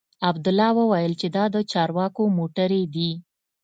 عبدالله وويل چې دا د چارواکو موټرې دي.